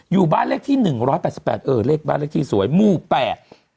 อยู่บ้านเลขที่หนึ่งร้อยแปดสิบแปดเออเลขบ้านเลขที่สวยหมู่แปด